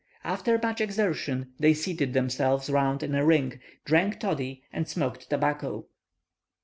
After much exertion, they seated themselves round in a ring, drank toddy, and smoked tobacco.